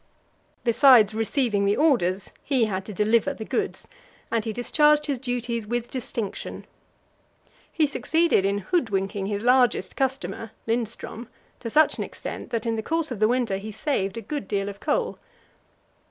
Besides receiving the orders, he had to deliver the goods, and he discharged his duties with distinction. He succeeded in hoodwinking his largest customer Lindström to such an extent that, in the course of the winter, he saved a good deal of coal.